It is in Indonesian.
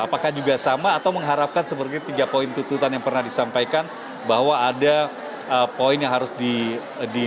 apakah juga sama atau mengharapkan seperti tiga poin tuntutan yang pernah disampaikan bahwa ada poin yang harus di